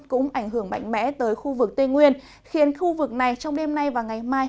cũng ảnh hưởng mạnh mẽ tới khu vực tây nguyên khiến khu vực này trong đêm nay và ngày mai